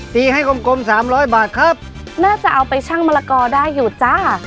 ตีให้กลมกลมสามร้อยบาทครับน่าจะเอาไปชั่งมะละกอได้อยู่จ้า